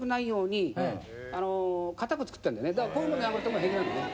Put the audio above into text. だからこういうので殴っても平気なのね。